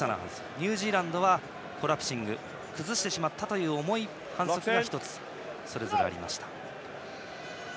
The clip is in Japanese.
ニュージーランドはコラプシング崩してしまったという重い反則が１つそれぞれありました。